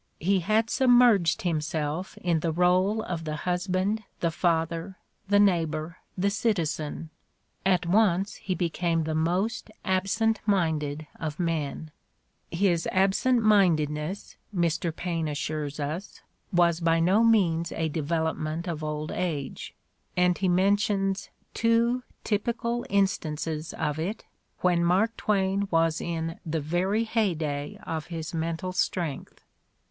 He had submerged himself in the role of the hus band, the father, the neighbor, the citizen. At once he became the most'absent minded of men ! His absent mindedness, Mr. Paine assures us, was "by no means a development of old age," and he mentions two typical instances of it when Mark Twain was "in the very heyday of his mental strength.